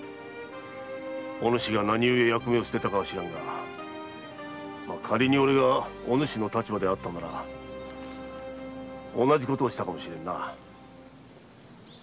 お主が何故役目を捨てたかは知らぬが仮に俺がお主の立場であったなら同じことをしたかもしれんな。